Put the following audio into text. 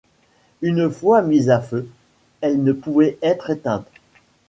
Une fois mise à feu, elle ne pouvait être éteinte.